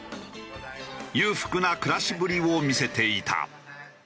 裕福な暮らしぶりを見せていた。